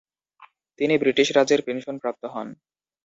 তিনি ব্রিটিশ রাজের পেনশন প্রাপ্ত হন।